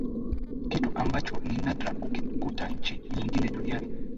Kitu ambacho ni nadra kukikuta nchi nyingine duniani